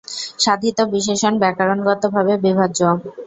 সাধিত বিশেষণ ব্যকরণগতভাবে বিভাজ্য।